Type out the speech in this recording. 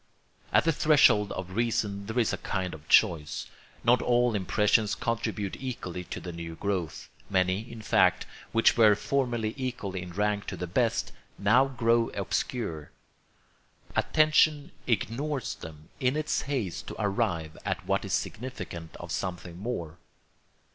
At the threshold of reason there is a kind of choice. Not all impressions contribute equally to the new growth; many, in fact, which were formerly equal in rank to the best, now grow obscure. Attention ignores them, in its haste to arrive at what is significant of something more.